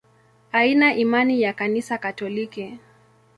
Ana imani ya Kanisa Katoliki.